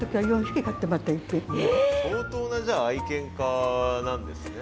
相当なじゃあ愛犬家なんですね。